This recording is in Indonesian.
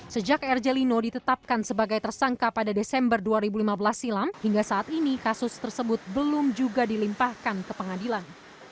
sejak erjelino ditetapkan sebagai tersangka pada desember dua ribu lima belas silam hingga saat ini kasus tersebut belum juga dilimpahkan ke pengadilan